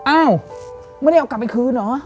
อ้าวไม่ได้เอากลับไปคืนเหรอ